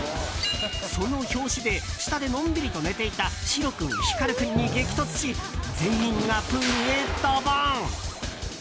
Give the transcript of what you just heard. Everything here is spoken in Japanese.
その拍子で下でのんびりと寝ていたシロ君、ヒカル君に激突し全員がプールへドボン。